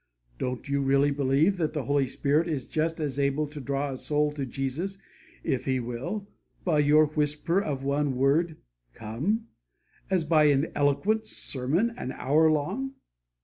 Don't you really believe that the Holy Spirit is just as able to draw a soul to Jesus, if He will, by your whisper of the one word, 'Come,' as by an eloquent sermon an hour long?